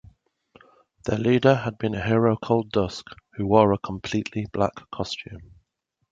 Their leader had been a hero called Dusk, who wore a completely black costume.